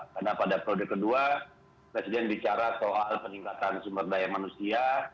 karena pada perode kedua presiden bicara soal peningkatan sumber daya manusia